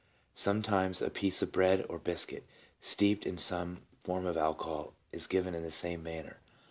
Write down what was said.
Sometimes a piece of bread or biscuit, steeped in some form of alcohol, is given in the same manner.